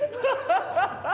ハハハハ！